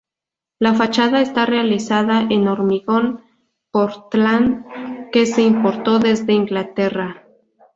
La fachada está realizada en hormigón portland que se importó desde Inglaterra.